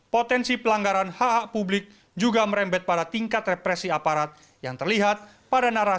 potensi pelanggaran hak hak publik juga merembet pada tingkat represi aparat yang terlihat pada narasi